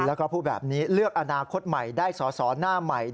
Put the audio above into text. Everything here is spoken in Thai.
แล้วก็พูดแบบนี้เลือกอนาคตใหม่ได้สอสอหน้าใหม่